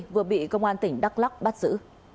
vừa bị công an tỉnh đắk lóc bắt giữ